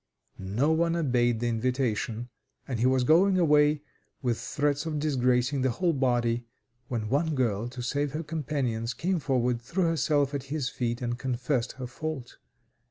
No one obeyed the invitation, and he was going away, with threats of disgracing the whole body, when one girl, to save her companions, came forward, threw herself at his feet, and confessed her fault.